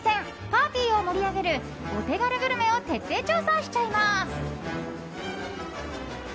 パーティーを盛り上げるお手軽グルメを徹底調査しちゃいます。